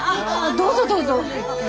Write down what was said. どうぞどうぞ。